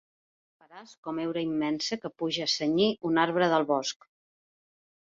Faràs com heura immensa que puja a cenyir un arbre del bosc.